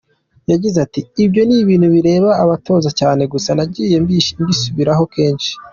Yagize ati “Ibyo ni ibintu bireba abatoza cyane gusa nagiye mbisubiraho kenshi .